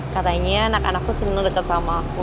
katanya anak anakku seneng deket sama aku